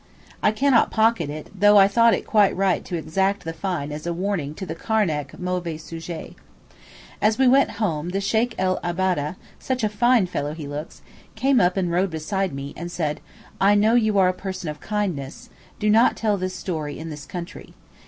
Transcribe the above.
I cannot pocket it, though I thought it quite right to exact the fine as a warning to the Karnac mauvais sujets. As we went home the Sheykh el Ababdeh (such a fine fellow he looks) came up and rode beside me, and said, 'I know you are a person of kindness; do not tell this story in this country.